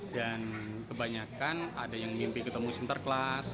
dan kebanyakan ada yang mimpi ketemu sinterkas